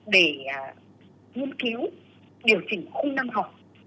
để nghiên cứu điều chỉnh khung năm học